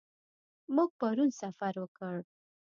موږ پرون سفر وکړ.